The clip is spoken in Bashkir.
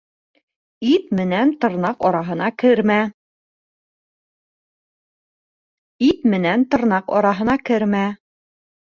Ит менән тырнаҡ араһына кермә